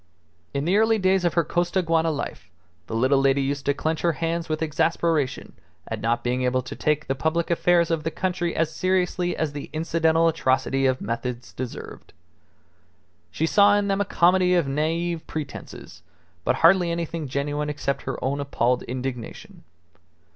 In the early days of her Costaguana life, the little lady used to clench her hands with exasperation at not being able to take the public affairs of the country as seriously as the incidental atrocity of methods deserved. She saw in them a comedy of naive pretences, but hardly anything genuine except her own appalled indignation.